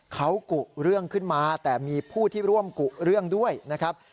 เขากุเรื่องขึ้นมาแต่มีผู้ที่ร่วมกุเรื่องด้วยนะครับ